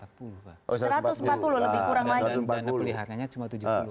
dan dana peliharannya cuma tujuh puluh